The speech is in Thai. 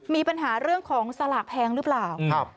มีปัญหาเรื่องของสลากแพงหรือเปล่า